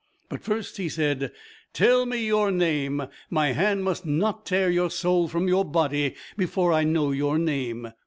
But first he said, "Tell me your name; my hand must not tear your soul from your body before I know your name."